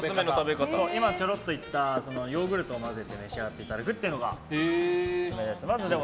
今、ちょろっと言ったヨーグルトを混ぜて召し上がっていただくのがオススメです。